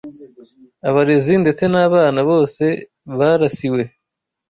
abarezi ndetse n’abana bose barasiwe